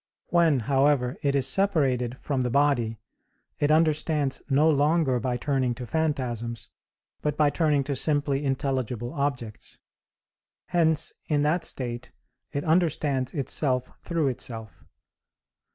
When, however, it is separated from the body, it understands no longer by turning to phantasms, but by turning to simply intelligible objects; hence in that state it understands itself through itself.